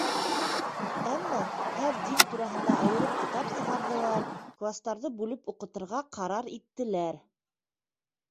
Әммә һәр дин тураһында айырым китап сығарҙылар, кластарҙы бүлеп уҡытырға ҡарар иттеләр.